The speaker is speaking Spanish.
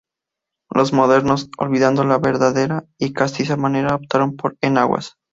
Los modernos olvidando la verdadera y castiza manera optaron por "enaguas".